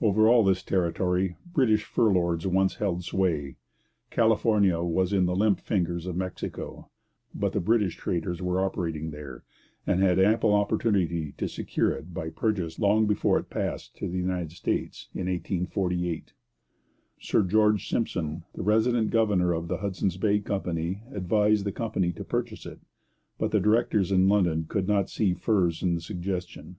Over all this territory British fur lords once held sway. California was in the limp fingers of Mexico, but the British traders were operating there, and had ample opportunity to secure it by purchase long before it passed to the United States in 1848. Sir George Simpson, the resident governor of the Hudson's Bay Company, advised the company to purchase it, but the directors in London could not see furs in the suggestion.